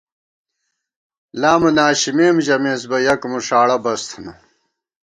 لامہ ناشِمېم ژَمېس بہ یَک مُݭاڑہ بس تھنہ